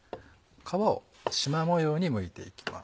皮をしま模様にむいていきます。